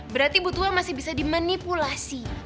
berarti butua masih bisa dimanipulasi